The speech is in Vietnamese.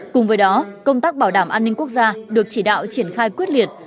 cùng với đó công tác bảo đảm an ninh quốc gia được chỉ đạo triển khai quyết liệt